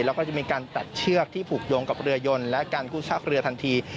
แล้วก็จะมีการตัดเชือกที่ผูกโยงกับเรือยนและการกู้ซากเรือทันที